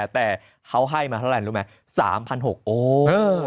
แต่เขาให้มาเท่าไหร่รู้ไหม๓๖๐๐โอ้